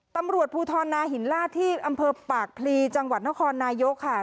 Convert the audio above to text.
ตำรวจภูทรนาหินล่าที่อำเภอปากพลีจังหวัดนครนายกค่ะ